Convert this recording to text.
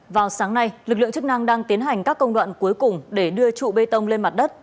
vào sáng nay lực lượng chức năng đang tiến hành các công đoạn cuối cùng để đưa trụ bê tông lên mặt đất